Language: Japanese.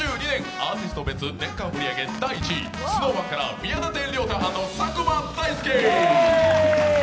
アーティスト別年間売上第１位ＳｎｏｗＭａｎから宮舘涼太＆佐久間大介！